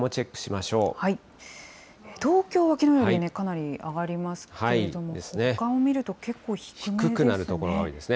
東京はきのうよりね、かなり上がりますけれども、ほかを見ると、結構低めですね。